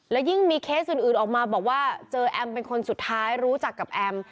และยิ่งมีเคสอื่นออกมาบอกว่าเจอแอมเป็นคนสุดท้ายรู้จักกับแอม